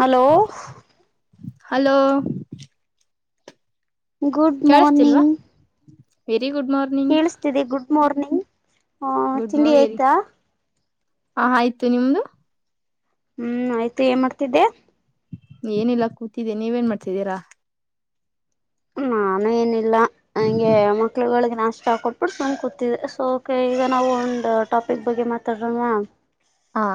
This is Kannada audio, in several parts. ಹಲೋ, ಹಲೋ, ಗುಡ್ ಕೇಳಿಸತಿಲ್ವಾ ಮಾರ್ನಿಂಗ್ ವೆರಿ ಗುಡ್ ಮಾರ್ನಿಂಗ್ ಕೇಳಿಸ್ತಿದೆ ಗುಡ್ ಗುಡ್ ಮಾರ್ನಿಂಗ್ ಗುಡ್ ತಿಂಡಿ ಮಾವೇರಿ ಆಯ್ತಾ, ಹ ಆಯ್ತು ನಿಮ್ದು, ಹ್ಮ್ ಆಯ್ತು ಏನ್ ಮಾಡ್ತಿದ್ದೆ, ಏನಿಲ್ಲ ಕೂತಿದ್ದೆ ನೀವ ಏನ ಮಾಡ್ತಿದ್ದೀರಾ, ನಾನು ಏನಿಲ್ಲ ಹಂಗೆ ಮಕ್ಕಳಗಳಿಗೆ, ನಷ್ಟ ಕೊಟ್ಟ ಬಿಟ್ಟು ಸುಮ್ ಕೂತಿದೆ ಸೊ ಓಕೆ ಈಗ ನಾವು ಒಂದು ಟಾಪಿಕ್ ಬಗ್ಗೆ ಮಾತಾಡೋಣ, ಹಾ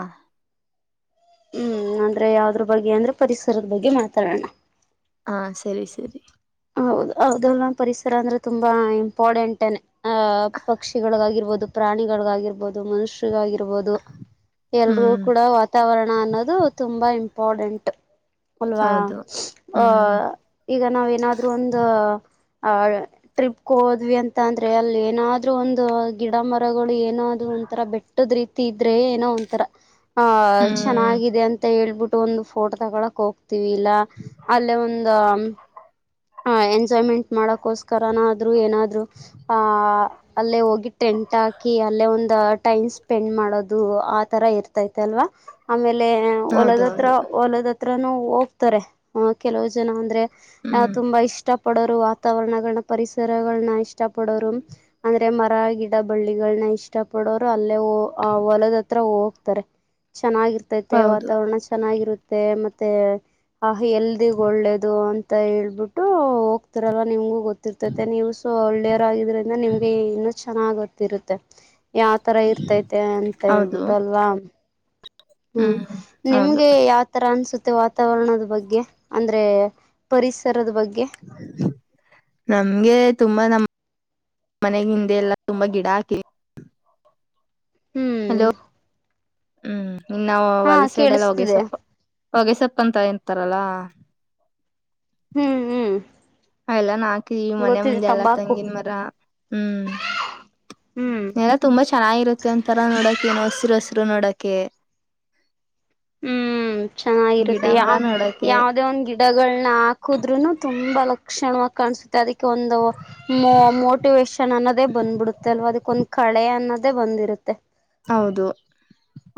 ಹ್ಮ್ ಅಂದ್ರೆ ಯಾವದ್ರ ಬಗ್ಗೆ ಅಂದ್ರೆ ಪರಿಸರದ ಬಗ್ಗೆ ಮಾತಾಡೋಣ, ಹಾ ಸರಿ ಸರಿ. ಹೌದ ಹೌದಲ್ಲ ಪರಿಸರ ಅಂದ್ರೆ ತುಂಬಾ ಇಂಪಾರ್ಟೆಂಟ್, ಆಹ್ ಪಕ್ಷಿಗಳಿಗಿ ಆಗಿರಬಹುದು ಪ್ರಾಣಿಗಳಿಗಿ ಆಗಿರಬಹುದು ಮನುಷ್ಯ, [unintelligible] ಆಗಿರಬಹುದು ಎಲ್ರೂ ಹ್ಮ್ ಕೂಡ ವಾತಾವರಣ ಅನ್ನೋದು ತುಂಬಾ [unintelligible] ಇಂಪಾರ್ಟೆಂಟ್ ಅಲ್ವಾ ಹೌದು ಹ್ಮ್ ಈಗ ನಾವ ಏನ ಆದ್ರೂ, [unintelligible] ಒಂದು, ಆ ಟ್ರಿಪ ಗೆ ಹೋದ್ವಿ ಅಂತ ಅಂದ್ರೆ ಅಲ್ಲಿ ಏನಾದ್ರು ಒಂದು ಗಿಡ ಮರಗಳು ಏನಾದ್ರು, ಒಂತರ ಬೆಟ್ಟದ್ ರೀತಿ ಇದ್ರೆ ಏನೋ ಒಂಥರ, ಹ ಹ್ಮ್ ಚೆನ್ನಾಗಿದೆ ಅಂತ ಹೇಳಿಬಿಟ್ಟು ಒಂದು ಫೋಟೋ ತಗೊಳಕ್ ಹೋಗ್, [unintelligible] ಇಲ್ಲ ಅಲ್ಲೇ ಒಂದ, ಹ ಎಂಜಾಯ್ಮೆಂಟ್ ಮಾಡಕೋಸ್ಕರನಾದ್ರು ಏನಾದ್ರು ಆ ಅಲ್ಲೇ ಹೋಗಿ, ಟೆಂಟ್ ಹಾಕಿ ಅಲ್ಲೇ ಒಂದು ಟೈಮ್ ಸ್ಪೆಂಡ್ ಮಾಡೋದು ಆ ತರ ಇರ್ತೈತೆ ಅಲ್ವಾ, ಆಮೇಲೆ ಹೊಲದತ್ರ ಹೌದೌದು ಹೊಲದತ್ರ, [unintelligible] ಹೋಗ್ತಾರೆ ಕೆಲವು ಜನ ಅಂದ್ರೆ, ಹ್ಮ್ ತುಂಬಾ ಇಷ್ಟ ಪಡೋರು ವಾತಾವರಣಗಳನ್ನ ಪರಿಸರಗಳನ್ನ ಇಷ್ಟ ಪಡೋರು ಅಂದ್ರೆ ಮರ, ಗಿಡ ಬಳ್ಳಿಗಳನ್ನ ಇಷ್ಟ ಪಡೋರು ಅಲ್ಲೇ ಹೊಲದ ಹತ್ರ ಹೋಗ್ತಾರೆ, ಚೆನ್ನಾಗಿರ್ತೈತೆ ಹೌದು ವಾತಾವರಣ ಚೆನ್ನಾಗಿರುತ್ತೆ ಮತ್ತೆ, ಮತ್ತೆ ಆ ಹೆಲ್ಡಿ ಗೆ ಒಳ್ಳೇದು ಅಂತ ಹೇಳಿಬಿಟ್ಟು ಹೋಗ್ತಾರಲ್ಲ ನಿಮಗೂ ಗೊತ್ತ, ಗೊತ್ತಿರುತ್ತೆ [unintelligible] ನೀವು ಸೊ ಒಳ್ಳೆಯವರ ಆಗಿದ್ದರಿಂದ ನಿಮ್ಗೆ ಇನ್ನೂ ಚೆನ್ನಾಗಿ ಗೊತ್ತಇರುತ್ತೆ, ಯಾವ ತರ ಇರ್ತೈತೆ ಅಂತ ಹೌದು ಹೇಳಿಬಿಟ್ಟ ಅಲ್ವಾ, ಹ್ಮ್ ನಿಮ್ಗೆ ಯಾವ ತರಾ ಅನ್ಸುತ್ತೆ, ವಾತಾವರಣದ ಬಗ್ಗೆ ಅಂದ್ರೆ ಪರಿಸರದ ಬಗ್ಗೆ, ನಮಗೆ ತುಂಬಾ ನಮ್ಮ, ಮನೆ ಹಿಂದೆ ಎಲ್ಲಾ ತುಂಬಾ ಗಿಡ ಹಾಕಿ, ಹ್ಮ್ ಹಲೋ ಹ್ಮ್ ಇನ್ನ್ ಹಾ ವಲಸೆಡೆಲ್ಲ ಕೇಳಿಸ್ತಿದೆ ಹೊಗೆಸಪ್ಪ ಹೊಗೆಸಪ್ಪ, ಂತ ಎಂತಾರಲ್ಲಾ ಹ್ಮ್ ಹ್ಮ್ ಎಲ್ಲಾ ನಾಕ ಈ ಮನೆ ಗೊತ್ತಿದೆ ಮುಂದೆ ಎಲ್ಲಾ ತಂಬಾಕು ತಂಗನ್ ಮರ ಹ್ಮ್ ಹ್ಮ್ ನೆಲ್ಲ ತುಂಬಾ ಚೆನ್ನಾಗಿರುತ್ತೆ ಒಂಂತರಾ ನೋಡಕ ಏನೋ ಹಸಿರು ಹಸಿರು ನೋಡಕೆ ಹ್ಮ್ ಗಿಡ ಚೆನ್ನಾಗಿರುತ್ತೆ ಮರ ಯಾವ ನೋಡಕೆ ಯಾವ್ದೇ ಒಂದ್ ಗಿಡಗಳನ್ನ ಹಾಕುದ್ರುನು ತುಂಬ ತುಂಬಾ ಲಕ್ಷಣವ ಕಾಣಸುತ್ತೆ ಅದಕ್ಕೆ ಒಂದು ಮೋಟಿವೇೇಶನ್ ಅನ್ನೋದೇ ಬಂದ್ಬಿಡುತ್ತೆ ಅಲ್ವಾ ಅದಕ್ಕೊಂದ್ ಕಳೆ ಅನ್ನೋದೇ ಬಂದಿರುತ್ತೆ ಹೌದು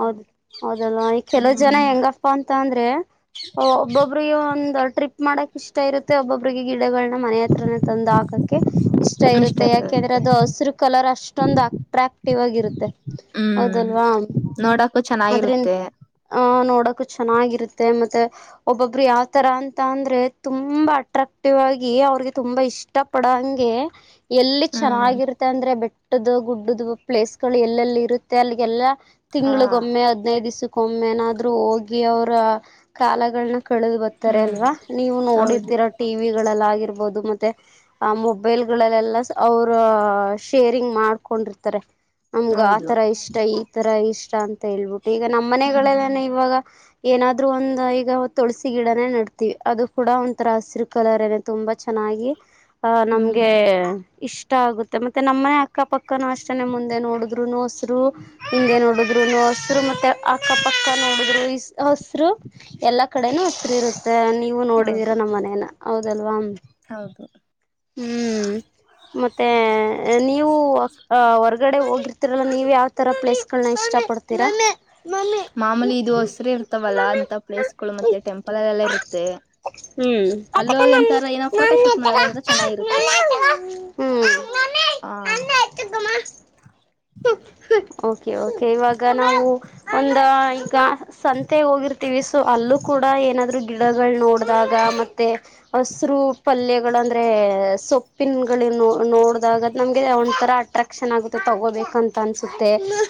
ಹೌದ ಹೌದಲ್ಲ ಈ ಕೆಲವು ಜನ ಹೆಂಗಪ್ಪಾ ಅಂತ ಅಂದ್ರೆ ಒಬ್ಬೊಬ್ರಿಗೆ ಒಂದ್ ಟ್ರಿಪ್ ಮಾಡಕ್ ಇಷ್ಟ ಇರುತ್ತೆ ಒಬೊಬ್ರಿಗೆ ಗಿ ಗಳನ ಮನೆ ಹತ್ರ ತಂದು ಹಾಕಕೆ ಇಷ್ಟ ಇರುತ್ತೆ ಯಾಕೆಂದ್ರೆ ಅದು ಹಸಿರು ಕಲರ್ ಅಷ್ಟೊಂದ ಟ್ರಾಕ್ಟಿವ್ ಆಗಿರುತ್ತೆ ಹ್ಮ್ ಹೌದಲ್ವಾ ನೋಡಕ್ಕೂ ಆದ್ರನ್ ಚೆನ್ನಾಗಿರುತ್ತೆ ನೋಡ ನಡಕ ಚೆನ್ನಾಗಿರುತ್ತೆ ಮತ್ತೆ ಒಬ್ಬೊಬ್ರು ಯಾವ್ ತರ ಅಂತ ಅಂದ್ರೆ ತುಂಬಾ ಅಟ್ರಾಕ್ಟಿವ್ ಆಗಿ ಅವ್ರಿಗೆ ತುಂಬಾ ಇಷ್ಟ ಪಡ ಹಂಗೆ ಎಲ್ಲಿ ಹ್ಮ್ ಚೆನ್ನಾಗಿರುತ್ತೆ ಅಂದ್ರರೆ ಬೆಟ್ಟದ್ದ ಗುಡ್ಡ್ದ ಪ್ಲೇಸ್ಗಳು ಎಲ್ಲೆಲ್ಲಿ ಇರುತ್ತೆ ಅಲ್ಲಿಗೆಲ್ಲ ಹಾ ತಿಂಗಳಿಗೊಮ್ಮೆ ಹದ್ನೈದು ದಿವ್ಸಕ್ಕೊಮ್ಮೆ ಏನಾದ್ರು ಹೋಗಿ ಅವ್ರ ಕಾಲಗಳನ್ನ ಕಳಿದ್ ಬರ್ತಾರೆ ಹ್ಮ್ ಅಲ್ವಾ ನೀವು ಹೌದು ನೋಡಿರ್ತೀರಾ ಟಿವಿ ಬಹುದು ಮ ಮೊಬೈಲ್ ಅವೇ್ ಮಾಡ ಹಕೊಂಡಿರ್ತಾರೆ ನಮ್ಗ ಹೌದು ಆತರ ಇಷ್ಟ ಈ ತರ ಇಷ್ಟ ಅಂತ ಹೇಳ್ಬಿಟ್ಟು ಈಗ ನಮ್ಮ್ ಹ್ಮ್ ಮನೆಗಳೆಲ್ಲನ ಇವಾಗ ಏನಾದ್ರು ಒಂದ್ ಈಗ ತುಳಸಿ ಗಿಡನೇ ನಡ್ತಿೀವಿ ಅದು ಕೂಡ ಒಂಥರ ಹಸಿರು ಕಲರ್ನೆ ತುಂಬ ಚೆನ್ನ ಆ ಹ್ಮ್ ನಮ್ಗೆ ಇಷ್ಟ ಇಷ್ಟ ಆಗುತ್ತೆ ಮತ್ತೆ ನಮ್ಮನೆ ಅಕ್ಕಪಕ್ಕನು ಅಷ್ಟನನೆ ಮುಂದೆ ನೋಡಿದ್ರುನುೋಸರು ಹಿಂದೆ ನೋಡಿದ್ರುೋರು ಹಸರು ಮತ್ತೆ ಅಕ್ಕಪಕ್ಕ ನೋಡಿದ್ರು ಹಸರು ಎಲ್ಲಾ ಕಡೆನೂ ಹಸರು ಇರುತ್ತ ಮ ನೀವು ಹೌದು ನೋಡಿದೀರಾ ನಮ್ಮ ಮನೇನ ಹೌದಲ್ವಾ ಹೌದು ಹ್ಮ್ ಮತ್ತೆ ನೀವು ಆ ಹೊರ್ಗಡೆ ಹೋಗಿ ನೀವ್ ಯಾವ್ ತರ ಪ್ಲೇಸ್ಗಳನ್ನ ಇಷ್ಟ ಪಡ್ತೀರಾ ಮಾಮೂಲಿ ಇದು ಹಸ್ರ ಇರ್ತವಲ್ಲಾ ಅಂತ ಪ್ಲೇಸ್ ಗಳು ಮತ್ತೆ ಟೆಂಪಲ್ಲ್ಲೆಲ್ಲ ಇರುತ್ತೆ ಅಲ್ಲೋಗ ಎಂತಾರ ಏನೋ್ ಫೋಟೋ ಶೂಟ್ ಮಾಡೋದಂತ ಚೆನ್ನಾಗಿರುತ್ತೆ ಹ್ಮ್ ಹಾ ಹ್ಮ್ ಓಕೆ ಕೆ ಇವಾಗ ನಾವು ಒಂದ ಈಗ ಸಂತೆ ಹೋಗಿರ್ತೀವಿ ಸೊ ಅಲ್ಲೂ ಕೂಡ ಏನಾದ್ೂ ಗಿಡಗಳು ನೋಡಿದಾಗ ಮ ಸ್ರೂ ಪಲ್ಲೆ ಅಂದ್ರೆ ಸೊಪ್ಪಿನಗಳ ನೋಡಿದಾಗ ನಮಗೆ ಒ್ ತರ ಅಟ್ರಾಕ್ಷನ್ ಆಗುತ್ತೆ ತಗೋಬೇಕು ಂತ ಅನ್ಸುತ್ತೆ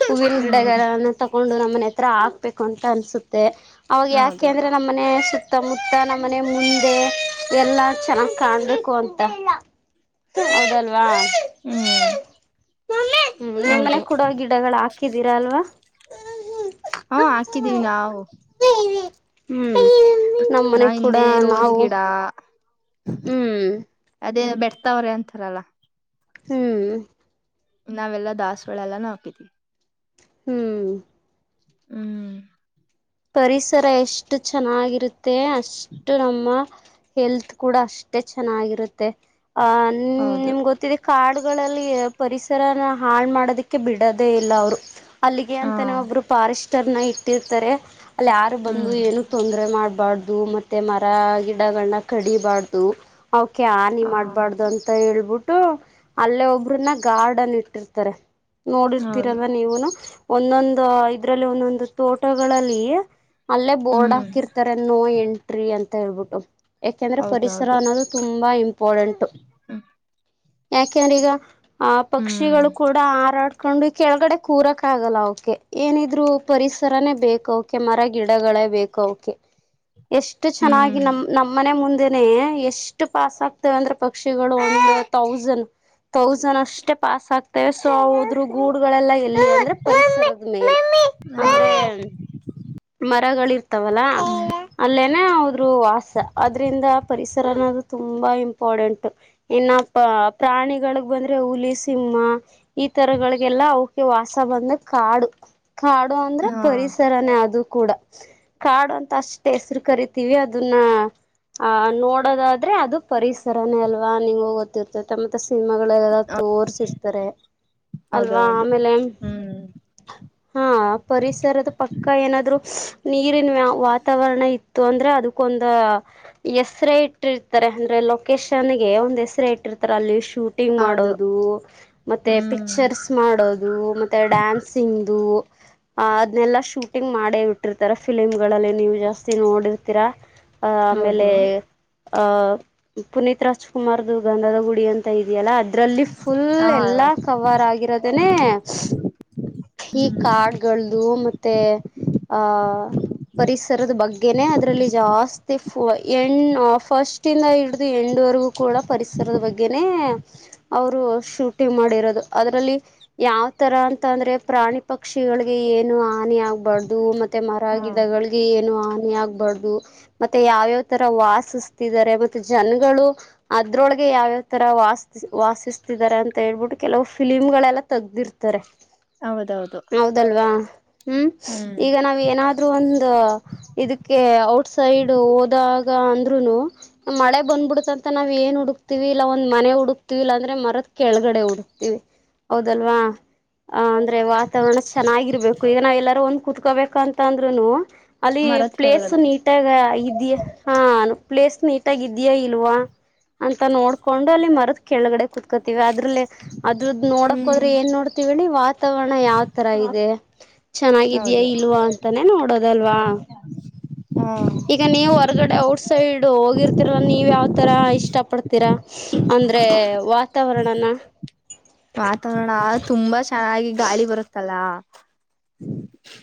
ಹೂಗಿನ ಹ್ಮ್ ಗಿಡಗಾರನ್ನ ತಗೊಂಡು ನಮ್ಮನೆ ಹತ್ರ ಹಾಕ್ಬೇಕು ಅಂತ ಅನ್ಸುತ್ತೆ ಅವಾಗ ಯಾಕೆ ಹೌದು ಅಂದ್ರೆ ನಮ್ಮ ಮನೆುತ್ತ ಸುತ್ತಮುತ್ತ ನಮ್ಮ ಮನೆ ಮುಂದೆ ಎಲ್ಲಾ ಚೆನ್ನಾಗ್ ಕಾಣ್ಬೇಕು ಅಂತ ಹೌದಲ್ವಾ ಹ್ಮ್ ಹ್ಮ್ ಒೆ ಹೌದು ಕೂಡ ಗಿಡಗಳು ಹಾಕಿದೀರಾ ಅಲ್ವಾ ಹಾ ಹಾಕಿದೀವಿ ನಾವು ಹ್ಮ್ ನಮ್ಮ ನಾ ಮನೆಗ್ ಕೂಡ ಹಿಂದೆ ರೋಸ್ ನಾವು ಗಿಡ ಹ್ಮ್ ಅದೇ ಬೆಡ್ತಾವ್ರೆ ಅಂತಾರಲ್ಲ ಹ್ಮ್ ನಾವೆಲ್ಲಾ ದಸ್ವಾಳೆ ಎಲ್ಲಾನ ಹಾಕಿದೀವಿ ಹ್ಮ್ ಹ್ಮ್ ಪರಿಸರ ಎಷ್ಟು ಚೆನ್ನಾಗಿರುತ್ತೆ ಅಷ್ಟು ನಮ್ಮ ಹೆಲ್ತ್ ಕೂಡ ಅಷ್ಟೇ ಚೆನ್ನಾಗಿರುತ್ತೆ ಅಹ ನಿ ಹೌದು ನಿಮ್ಗೆ ಗೊತ್ತಿದೆ ಕಾಡ್ ಗಳಲ್ಲಿ ಪರಿಸರನ ಹಾಳ ಮಾಡೋದಕ್ಕೆ ಬಿಡೋದೇ ಇಲ್ಲ ಅವರು ಅಲ್ಲಿಗೆ ಹಾ ಅಂತಾನ ಒಬ್ಬರು ಫಾರೆಸ್್ಟರ್ ನ ಇಟ್ಟಿರ್ತಾರೆ ಅಲ್ಲಿ ಯಾರು ಬಂದು ಹ್ಮ್ ಏನು ತೊಂದ್ರರೆ ಮಾಡ್ಬು ಬಾರ್ದು ಮತ್ತೆ ಮರ ಗಿಡಗಳನ್ನ ಕಡಿಬಾರ್ದು ಕೆ ಆ ನೀ ಹ ಮಾಡ್ಬಾರ್ದು ಅಂತ ಹ ಹೇಳಬ ಬಿಟ್ಟು ಅಲ್ಲೇ ಒಬ್ರನ್ನ ಗಾರ್ಡನ್ ಇಟ್ಟಿರ್ತಾರೆ ಹೌದು ನೋಡಿರ್ತೀರಲ್ಲ ನೀವುನು ಒಂದೊಂದು ಇದ್ರಲ್ಲಿ ಒಂದೊಂದು ತೋಟಗಳಲ್ಲಿ ಅಲ್ಲೇ ಬೋರ್ಡ್ ಹ್ಮ್ ಹಾಕಿರ್ತಾರೆ ನೋ ಎಂಟ್ರಿ ಅಂತ ಹೇಳ್ಬಿಟ್ಟು ಯಾಕೆಂದ್ರೆ ಪರಿಸರ ಹೌದೌದು ಅನ್ನೋದು ತುಂಬಾ ಇಂಪಾರಡೆಂಟ್ು ಹ್ಮ್ ಯಾಕೆಂದ್ರೆ ಈಗ ಆ ಹ್ಮ್ ಪಕ್ಷಿಗಳು ಕೂಡ ಆರಾಡ್ ಕಕೊಂಡು ಕೆಳಗಡೆ ಕೂರಕ್ ಆಗಲ್ಲ ಅವಕೆ ಏನಿದ್ರು ಪರಿಸರನೇ ಬೇಕ ಅವೆ ಮರ ಗಿಡಗಳೇ ಬೇಕು ಅವಕೆ ಎಷ್ಟು ಚೆನ್ನಾಗಿ ಹ್ಮ್ ನಮ ನಮ್ಮನೆ ಮುಂದಿನ ಎಷ್ಟು ಪಾಸ್ ಆಗ್ತೇವ ಅಂದ್ರೆ ಪಕ್ಷಿಗಳು ಒಂದು ತೌಸಂಡ್ [inaudible] ತೌಸಂಡ್ ಅಷ್ಟೇ ಪಾಸ್ ಆಗ್ತೇವೆ ಸೊ ಹದ್ರು ಗೂಡ್ಗಳೆಲ್ಲ ಎಲ್ಲಿ ಅಂದ್ರೆ ಪಸದ ಮೇ [inaudible] ಹಾ [inaudible] ಮರಗಳಿರ್ತಾವಲ್ಲ ಹ್ಮ್ ಅಲ್ಲೇನೆ ಹದ್ರು ವಾಸ [inaudible] ಅದ್ರಂದ ಪರಿಸರ ಅನ್ನೋದು ತುಂಬಾ ಇಂಪಾರಡೆಂಟ್ ಇನ್ನು ಪ್ರಾಣಿಗಳಿಗೆ ಬಂದ್ರೆ [inaudible] ಹುಲಿ ಸಿಂಹ ಈ ತರಗಳಿಗೆಲ್ಲ ಅವಕ ವಾಸ ಬಂದ ಕಾಡು ಕಾಡು ಅಂದ್ರೆ ಹಾ ಪರಿಸರನೇ ಅದು ಕೂಡ ಕಾಡು ಅಂತ ಅಷ್ಟ ಹೆಸ್ರು ಕರಿತೀವಿ ಅದನ್ನ ಆ ನೋಡೋದಾದ್ರೆ ಅದು ಪರಿಸರನೇ ಅಲ್ವಾ ನಿಂಗ ಗೊತ್ತಿರ್ತೈತೆ ಮತ್ತೆ ಸಿನಿಮಾಗಳಲ್ಲೆಲ್ಲ ತೋರಿಸಿರ್ತಾರೆ ಅಲ್ವಾ ಹೌದೌದು ಆಮೇಲೆ ಹ್ಮ್ ಹಾ ಪರಿಸರದ ಪಕ್ಕ ಏನಾದ್ರು ನೀರಿನ ವ ವಾತಾವರಣ ಇತ್ತು ಅಂದ್ರೆ ಅದಕ್ಕೊಂದು ಹೆಸರ ಇಟ್ಟಿರ್ತಾರೆ ಅಂದ್ರೆ ಲೊಕೇಶನ್ ಗೆ ಒಂದ ಹೆಸರ ಇಟ್ಟಿರ್ತಾರೆ ಅಲ್ಲಿ ಶೂಟಿಂಗ್ ಹೌದು ಮಾಡೋದು ಮತ್ತೆ ಹ್ಮ್ ಪಿಕ್ಚರ್ಸ್ ಮಾಡೋದು ಮತ್ತೆ ಡ್ಯಾನ್ಸಿಂಗು ಆ ಅದ್ನೆಲ್ಲಾ ಶೂಟಿಂಗ್ ಮಾಡೇ ಇಟ್ಟಿರ್ತಾರ ಫಿಲಿಮ್ ಗಳಲ್ಲಿ ನೀವು ಜಾಸ್ತಿ ನೋಡಿರ್ತೀರಾ ಆ ಆಮೇಲೆ ಹೌದು ಆಹ ಪುನೀತ್ ರಾಜ್ಕುಮಾರ್್ದದು ಗಂಧದ ಗುಡಿ ಅಂತ ಇದೆಯಲ್ಲಾ ಅ ಅ್ರಲ್ಲಿ ಫುಲ್ ಹಾ ಎಲ್ಲಾ ಕವಾರ್ ಆಗಿರೋದೇನೆ ಈ ಹ್ಮ್ ಕಾರ್ಡ್ಗಳ್ದು ಮತ್ತೆ ಹಾ ಪರಿಸರದ ಬಗ್ಗೆನೆ ಅದ್ರಲ್ಲಿ ಜಾಸ್ತಿ ಹೆಣ್ಣು ಫಸ್ಟ್ಂದ ಹಿಡ್ದು ಹೆಣ್ಣು ರೆಗೂ ಕೂಡ ಪರಿಸರದ ಬಗ್ಗೆನ ಅವರು ಶೂಟಿಂಗ್ ಮಾಡಿರೋದು ಅದರಲ್ಲಿ ಯಾವ ತರ ಅಂತಂದ್ರೆ ಪ್ರಾಣಿ ಪಕ್ಷಿಗಳಿಗೆ ಏನು ಹಾನಿ ಆಗ್ಬಾರ್ದು ಅ ಮತ್ತೆ ಮರ ಹಾ ಗಿಡಗಳಿಗೆ ಏನು ಆಬಾರ್ದು ಮತ್ತೆ ಯಾವ್ಯಾವ್ ತರ ವಾಸಿಸ್ತಿದ್ದಾರೆ ಮತ್ತೆ ಜನಗಳು ಅದ್ರೊಳಗೆ ಯಾವ್ಯಾವ ತರ ವ ವಾಸಿಸ್ತಿದ್ದಾರೆ ಅಂತ ಹೇಳ್ಬಿಟ್ಟು ಕೆಲವು ಫಿಲಿಮ್ ೆಲ್ಲ ತೆಗ್ದಿರ್ತಾರೆ ಹೌದೌದು ಹೌದಲ್ವಾ ಹ್ಮ್ ಈಗ ನಾವ ಏನಾದ್ರೂ ಒಂದು ಇದಕ್ಕೆ ಔಟ್ ಸೈಡ್ ಹೋದಾಗ ಅಂದ್ರುನು ಮಳೆ ಬಂದ್ಬಿಡತ ಅಂತ ನಾವ್ ಏನ್ ಹುಡುಕ್ತಿೀವಿ ಇಲ್ಲ ಒಂದ್ ಮನೆ ಹುಡುಕ್ತಿೀವಿ ಇಲ್ಲಾಂದ್ರೆ ಮರ ಕೆಳಗಡೆ ಹುಡ್ತೀವಿ ಹೌದಲ್ವಾ ಅ ಅಂದ್ರೆ ವಾತಾವರಣ ಚೆನ್ನಾಗಿರ್ಬೇಕು ಈಗ ನ ಎಲ್ಲಾರೂ ಒಂದ್ ಕುೂತ್ಕೋಬೇಕಂತಂದ್ರುನು ಅಲ್ಲಿ ಮರದ ಪ್ಲೇಸ್ ಕೆಳಗಡನೆ ನೀಟಾಗ ಹಾ ಪ್ಲೇಸ್ ನೀಟಗಯ ಇಲ್ವಾ ಅಂತ ನೋಡ್ ಕೊಂಡು ಅಲ್ಲಿ ಮರದ ಕೆಳಗಡೆ ಕುೂತ್ಕೋತಿೀವಿ ಅದ್ರಲ್ಲ ಅದ ಹ್ಮ್ ನೋಡಕ್ೋದ್ರೆ ಏನ್ ನೋಡ್ತೀವಿಿ ವ ವಾತಾವರಣ ಯಾವ ತರ ಇದೆ ಚೆನ್ನಾಗಿದ್ಯಾ ಹೌದು ಇಲ್ವಾ ಅಂತಾನೇ ನೋಡೋದಲ್ವಾ ಹಾ [inaudible] ಈಗ ನೀವು್ ಹೊರ್ಗಡೆ ಔಟ್ ಸೈಡ್ ಹೋಗಿರ್ತಿೀರ ನೀವ ಯಾವ್ ತರ ಇಷ್ಟ ಪಡ್ತೀರಾ ಅಂದ್ರೆ ವಾತಾವರಣನ ವಾತಾವರಣ ತುಂಬಾ ಚೆನ್ನಾಗಿ ಗಾಳಿ ಬರುತ್ತಲ್ಲಾ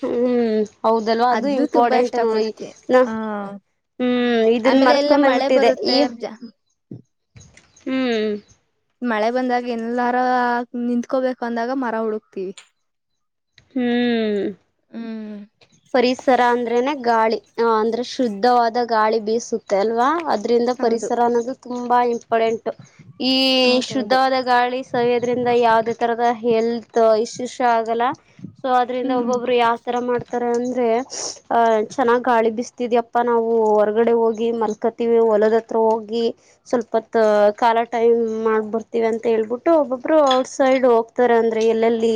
ಹ್ಮ್ ಹೌದಲ್ವಾ ಅದು ತುಂಬಾ ಇಂಪಾರ್ಟೆಂಟ್ ಇಷ್ಟ ನೋಡಿ ಪಡ್ತಿ ನ ಹ ಹ್ಮ್ ಇದನ್ ಆಮೇಲೆ ಎಲ್ಲ ಮಳೆ ಮರ್ಸ್ಕೊಂಡೋಗ್ಬಿಟ್ಟಿದೆ ಈ ಬರುತ್ತೆ ಹ್ಮ್ ಮಳೆ ಬಂದಾಗ ಎಲ್ಲಾರ ನಿಂಕೋಬೇಕು ಅಂದಾಗ ಮರ ಹುಡುಕ್ತಿವಿ ಹ್ಮ್ ಹ್ಮ್ ಪರಿಸರ ಅಂದ್ರೇನೆ ಗಾಳಿ ಅಂದ್ರೆ ಶುದ್ಧವಾದ ಗಾಳಿ ಬೀಸುತ್ತೆ ಅಲ್ವಾ ಅದ್ರಿಂದ ಹೌದು ಪರಿಸರ ಅನ್ನೋದು ತುಂಬಾ ಎಂಟು ಈ ಹೌದೌದು ಶುದ್ಧವಾದ ಗಾಳಿ ಸವ್ಯೋದ್ರಿಂದ ಯಾವವುದೇ ತರದ ಹೆಲ್ತ್ ಇಶ್ಯೂಸ್ ಆಗಲ್ಲ ಸೊ ಅದ್ರಿಂದ ಹ್ಮ್ ಒಬ್ಬೊಬ್ರು ಯಾವ ತರ ಮಾಡ್ತ ತರ ಅಂದ್ರೆ ಅಹ ಚೆನ್ನಾಗ್ ಗಾಳಿ ಬಿಸ್ತಿದ ಅಪ್ಪಾ ನಾವು ಹೊರಗಡೆ ಹೋಗಿ ಮಲ್ಕತಿವಿ ಹೊಲದ ಹತ್ರ ಹೋಗಿ ಸ್ವಲ್ಪತ್ ಕಾಲ ಟೈಮ್ ಮಾಡ್ಬರ್ತಿವಿ ಅಂತ ಹೇಳ್ಬಿಟ್ಟು ಒಬ್ಬೊಬ್ರು ಔಟ್ ಸೈಡ್ ಹೋಗ್ತಾರೆ ಅಂದ್ರೆ ಎಲ್ಲೆಲ್ಲಿ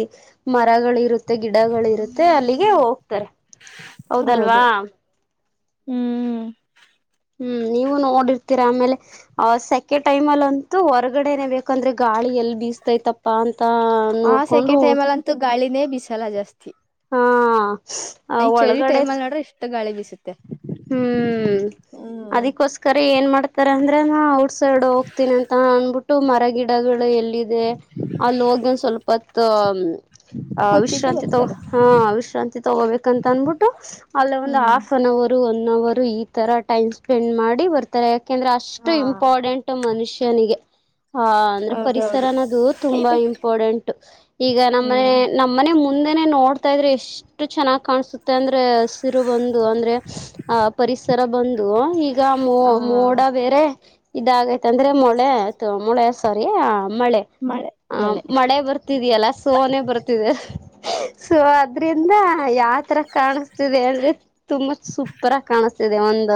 ಮರಗಳಿಗೆ ಮತ್ತೆ ಗಿಡಗಳಿರುತ್ತೆ ಅಲ್ಲಿಗೆ ಹೋಗ್ತಾರೆ ಹೌದಲ್ವಾ ಹೌದು ಹ್ಮ್ ಹ್ಮ್ ನೀವು ನೋಡಿರ್ತೀರಾ ಆಮೇಲೆ ಆ ಸೆಕೆಂಡ್ ಟೈಮ ಅಲ್ಲಿ ಅಂತೂ ಹೊರಗಡೆನೆ ಬೇಕಂದ್ರೆ ಗಾಳಿ ಎಲ್ಲಿ ಬೀಸ್ತೈತಪ್ಪ ಅಂತ ನೋಡ್ಕೊಂಡು ವಿಸಾಲ ಜಾಸ್ತಿ ಹಾ ಐ ಚಳಿ ಟೈಮ ಅ ನೋಡ್ರೆ ಇಷ್ಟ ಗಳಿ ಬಿಸಸುತ್ತೆ ಹ್ಮ್ ಹ್ಮ್ ಅದಕ್ಕೋಸ್ಕರ ಏನ್ ಮಾಡ್ತಾರ ಅಂದ್ರೆ ನಾ ಔಟ್ ಸೈಡ್ ಹೋಗ್ತೀನಿ ಅಂತ ಅನ್ಬಿಟ್ಟ ಇ ಮರ ಗಿಡಗಳು ಎಲ್ಲಿದೆ ಅಲ್ಲಿ ಹೋಗ ಸ್ವಲ್ಪತ್ ಆ ಕೂಚಿದ್ದೆ ವಿಶ್ರಾಂತಿ ತಗೋ ಬರ್ತಾರ ಹ ವಿಶ್ರಾಂತಿ ತಗೋಬೇಕಂತ ಅನ್ಬಿಟ್ಟು ಅಲ್ಲ ಒಂದು ಹ್ಮ್ ಹಾಫ್ ಅನ್ ಅವರ್ ಒನ್ ಅವರು ಈ ತರ ಟೈಮ್ ಸ್ಪೆಂಡ್ ಮಾಡಿ ಬರ್ತಾರೆ ಯ ಯಾಕಂದ್ರೆ ಅಷ್ಟು ಹಾ ಇಂಪಾರಡೆಂಟ್ ಮನುಷ್ಯನಿಗೆ ಹಾ ಅಂದ್ರೆ ಪರಿಸರ ಹೌದೌದು ಅನ್ನೋದು ತುಂಬಾ ಇಂಪಾರ್ಟೆಂಟ್ ಈಗ ನಮ್ಮ ಹ್ಮ್ ನಮ್ಮನೆ ಮುಂದೆನೆ ನೋಡ್ತಾ ಇದ್ರೆ ಎಷ್ಟು ಚೆನ್ನಾಗ್ ಕಾಣಸುತ್ತೆ ಅಂದ್ರೆ ಹಸಿರು ಬಂದು ಅಂದ್ರೆ ಆ ಪರಿಸರ ಬಂದು ಈಗ ಮೋ ಹ ಮೋಡ ಬೇರೆ ಇದಾಗೈತ ಅಂದ್ರೆ ಮಳೆ ಆಯ್ತ ಮಳೆ ಸರಿ ಮಳೆ ಆ ಮಳೆ ಬರ್ತಿದಿಯಲ್ಲ ಸೋನೆ ಬರ್ತಿದೆ ಸೊ ಅದ್ರಿಂದ ಯಾವತರ ಕಾಣಿಸ್ತಿದೆ ಅಂದ್ರೆ ತುಂಬಾ ಸೂಪರ್ ಆಗ ಕಾಣಿಸಸ್ತಿದೆ ಒಂದ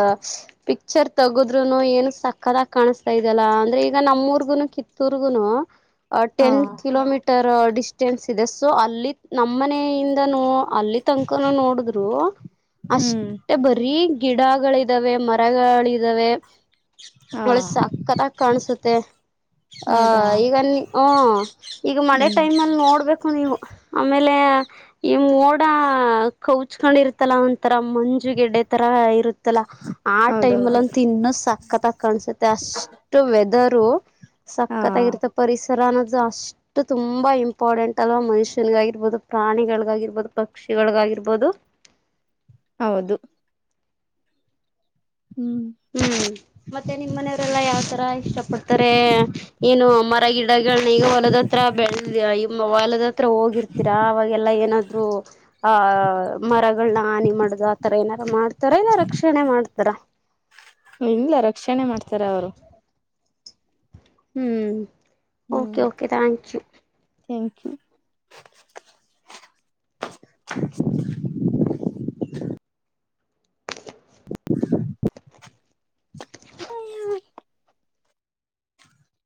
ಪಿಕ್ಚರ್ ತಗದ್ರುನು ಏನು ಸಕ್ಕತ್ಗಿ ಕಾಣಿಸ್ತಾ ಇದಲ್ಲ ಅಂದ್ರೆ ಈಗ ನಮ್ಮೂರ್ಗುನು ಕಿತ್ತೂರ್ಗುನು ಹಾ ಟೆನ್ ಕಿಲೋಮೀಟರ್ ಡಿಸ್ಟೆನ್ಸ್ ಇದೆ ಸೊ ಅಲ್ಲಿ ನಮ್ಮ ಮನೆಯಿಂದನೂ ಅಲ್ಲಿ ತನಕನ ನೋಡಿದ್ರು ಹ್ಮ್ ಅಷ್ಟ ಬರೀ ಗಿಡಗಳಿದಾವೆ ಮರಗಳಿದಾವೆ ಹಾ ನಳೆ ಸಕ್ಕತ್ತಾಗ ಕಾಣ್ಸುತ್ತೆ ಆ ಹೌದಾ ಈಗ ನೀ ಹ ಈಗ ಮಳೆ ಹ್ಮ್ ಟೈಮ್ ಅಲ್ಲಿ ನೋಡ್ಬೇಕು ನೀವು ಆಮೇಲೆ ಈ ಓಡ ಕೌಚ್ಕೊಂಡಿರ್ತಲ್ಲ ಅಂತಾರ ಅಮ್ಮ ಗೆಡ್ಡೆ ತರ ಇರುತ್ತಲ್ಲ ಆ ಟೈಮ್ಲ್ಲಿ ಹೌದೌದು ಅಂತ ಇನ್ನು ಸಕ್ಕತ್ಗಿ ಕಾಣಸುತ್ತೆ ಅಷ್ಟು ವೆದರ್ ಹಾ ಸಕ್ಕತ್ಗಿರ್ತ ಪರಿಸ್ಥಿ ಈ ತರ ಅನ್ನೋದು ಅಷ್ಟು ತುಂಬಾ ಇಂಪಾರಡೆಂಟ್ ಅಲ್ವಾ ಮನುಷ್ಯನಗಾಗಿರ್ಬೋದು ಪ್ರಾಣಿಗಳಿಗಾಗಿರ್ಬಹದು ಪಕ್ಷಿ ಒಳಗಾಗಿರ್ಬೋದು ಹೌದು ಹ್ಮ್ ಹ್ಮ್ ಮತ್ತೆ ನಿಮ್ಮ್ ಮನೆಯವರೆಲ್ಲಾ ಯಾವ್ತರ ಇಷ್ಟ ಪಡ್ತಾರೆ ಏನು ಗಿಡಗಳನ್ನ ಈಗ ಹೊಲದತ್ರ ಬೆಳ ಹೊಲದತ್ರ ಹೋಗಿರ್ತೀರ ಅವಾಗೆಲ್ಲಾ ಏನ ಆ ಮರಗಳನ್ನ ಹಾನಿ ಮಾಡುದು ಆತರ ಏನಾದಾರ ಮಾಡ್ತಾರ ಇಲ್ಲ ರಕ್ಷಣೆ ಮಾಡ್ತಾರ ಹ ಇಲ್ಲ ರಕ್ಷಣೆ ಮಾಡ್ತಾರೆ ಅವರು ಹ್ಮ್ okay okay thank you thank you [unintelligible] ಅಂತ